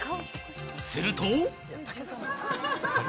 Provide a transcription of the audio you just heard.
すると。